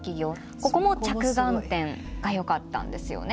ここも着眼点がよかったんですよね。